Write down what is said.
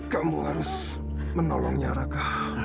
kamu harus menolongnya raka